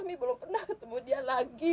kami belum pernah ketemu dia lagi